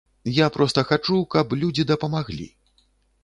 Я проста хачу, каб людзі дапамаглі.